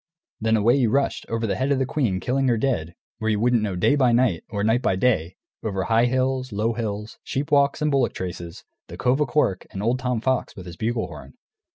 Then away he rushed, over the head of the queen, killing her dead, where you wouldn't know day by night or night by day, over high hills, low hills, sheep walks and bullock traces, the Cove o' Cork, and old Tom Fox with his bugle horn.